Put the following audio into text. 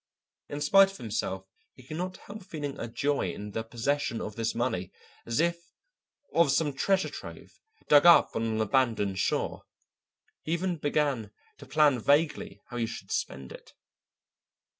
In spite of himself he could not help feeling a joy in the possession of this money as if of some treasure trove dug up on an abandoned shore. He even began to plan vaguely how he should spend it.